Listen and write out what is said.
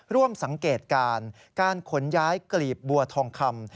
ร่วมสังเกตการณ์การขนย้ายกลีบบัวทองคำ